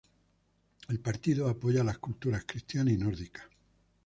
El partido apoya las culturas cristiana y nórdica.